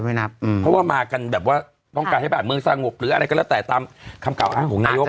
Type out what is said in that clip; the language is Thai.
เพราะว่ามากันแบบว่าต้องการให้บ้านเมืองสงบหรืออะไรก็แล้วแต่ตามคำกล่าอ้างของนายก